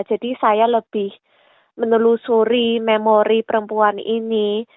jadi saya lebih menelusuri memori perempuan ini